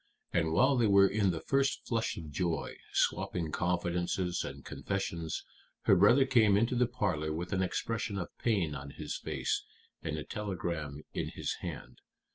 "And while they were in the first flush of joy, swapping confidences and confessions, her brother came into the parlor with an expression of pain on his face and a telegram in his hand.